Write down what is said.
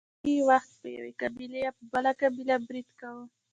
ځینې وخت به یوې قبیلې په بله قبیله برید کاوه.